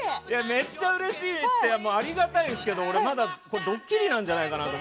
めっちゃうれしいってありがたいんですがドッキリなんじゃないかと。